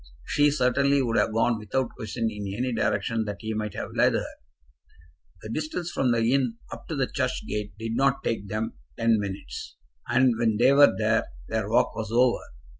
She certainly would have gone without question in any direction that he might have led her. The distance from the inn up to the church gate did not take them ten minutes, and when they were there their walk was over.